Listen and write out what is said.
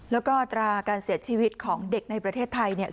แล้วก็อัตราการเสียชีวิตของเด็กในประเทศไทยเนี่ย